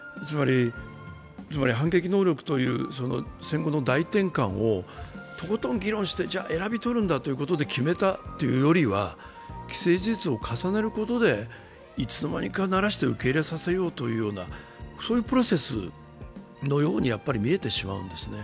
つまり、反撃能力という戦後の大転換をとことん議論してじゃあ、選び取るんだということで決めたというよりは既成事実を重ねることでいつの間にかならして受け入れさせようというプロセスのように見えてしまうんですね。